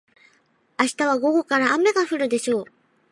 明日は午後から雨が降るでしょう。